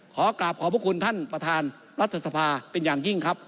ขอกราบขอบพระคุณท่านประธานรัฐสภาเป็นอย่างยิ่งครับ